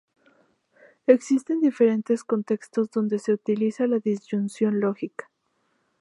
Existen diferentes contextos donde se utiliza la disyunción lógica.